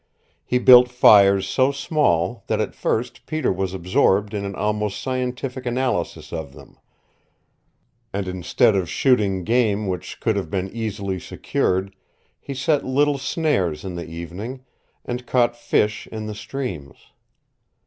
He built fires so small that at first Peter was absorbed in an almost scientific analysis of them; and instead of shooting game which could have been easily secured he set little snares in the evening, and caught fish in the streams.